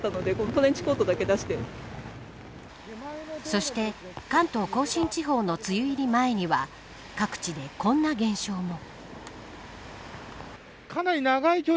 そして、関東甲信地方の梅雨入り前には各地でこんな現象も。